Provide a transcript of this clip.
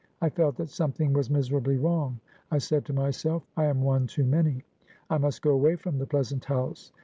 I felt that something was miserably wrong; I said to myself, I am one too many; I must go away from the pleasant house.